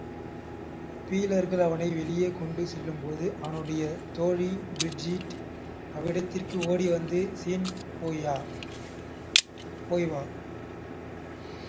பீலர்கள் அவனை வெளியே கொண்டு செல்லும்போது அவனுடைய தோழி பிரிஜிட் அவ்விடத்திற்கு ஓடிவந்து, ஸீன் போய்வா!